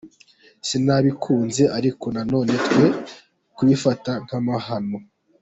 Sinabikunze ariko nanone twe kubifata nk’amahano.